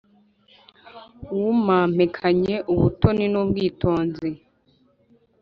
W'uwampekanye ubutoni n’ubwitonzi